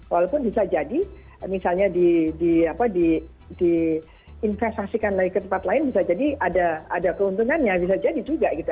walaupun bisa jadi misalnya diinvestasikan ke tempat lain bisa jadi ada keuntungannya bisa jadi juga gitu